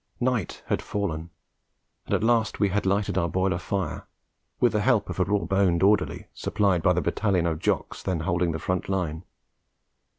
Night had fallen, and at last we had lighted our boiler fire, with the help of a raw boned orderly supplied by the battalion of Jocks then holding the front line.